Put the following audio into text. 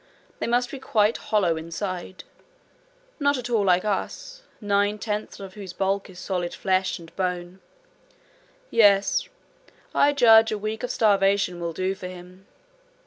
They must be quite hollow inside not at all like us, nine tenths of whose bulk is solid flesh and bone. Yes I judge a week of starvation will do for him.'